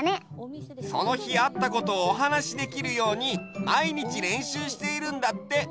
そのひあったことをおはなしできるようにまいにちれんしゅうしているんだって。